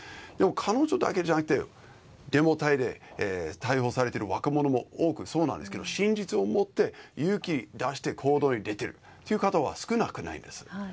でも彼女だけじゃなくてデモ隊で逮捕されている若者も多くそうなんですけど真実を持って勇気を出して行動に出てる方は少なくないんです。